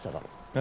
え？